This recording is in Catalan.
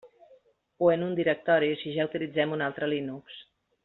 O en un directori si ja utilitzem un altre Linux.